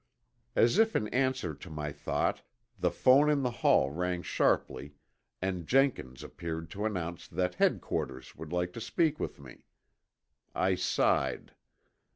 As if in answer to my thought, the phone in the hall rang sharply and Jenkins appeared to announce that Headquarters would like to speak with me. I sighed.